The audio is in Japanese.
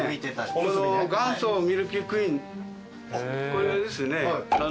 これですね。